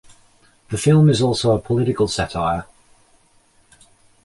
The film is also a political satire.